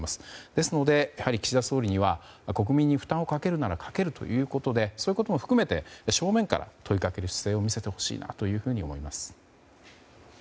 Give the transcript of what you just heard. ですので、岸田総理には国民に負担をかけるならかけるということでそういうことも含めて正面から問いかける姿勢を見せてほしいなと思います。